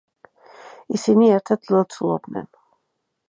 ისინი ერთად ლოცულობდნენ.